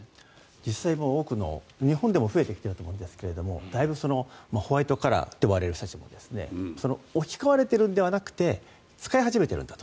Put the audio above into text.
実際に多くの日本でも増えてきていると思うんですがホワイトカラーと呼ばれる人たちも置き換われているんではなくて使い始めているんだと。